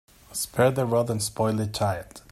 Spare the rod and spoil the child.